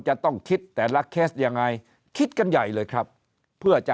จะต้องคิดแต่ละเคสยังไงคิดกันใหญ่เลยครับเพื่อจะ